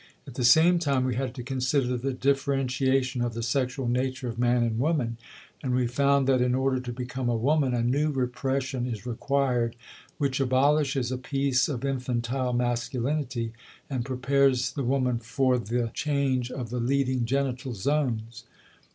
At the same time we had to consider the differentiation of the sexual nature of man and woman, and we found that in order to become a woman a new repression is required which abolishes a piece of infantile masculinity, and prepares the woman for the change of the leading genital zones.